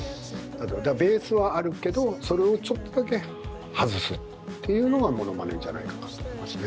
だからベースはあるけどそれをちょっとだけ外すっていうのがモノマネじゃないかなと思いますね。